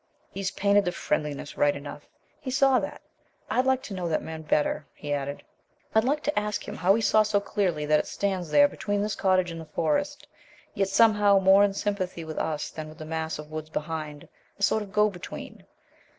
He's painted the friendliness right enough. He saw that. I'd like to know that man better," he added. "I'd like to ask him how he saw so clearly that it stands there between this cottage and the Forest yet somehow more in sympathy with us than with the mass of woods behind a sort of go between.